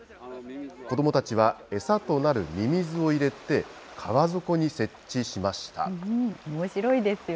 子どもたちは餌となるミミズを入れて、川底に設置しました。